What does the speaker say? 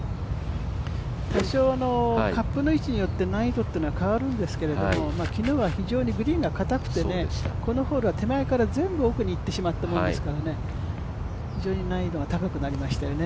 多少のカップの位置によって難易度は変わるんですけど昨日は非常にグリーンがかたくて全部奥に行ってしまってたから非常に難易度は高くなりましたよね。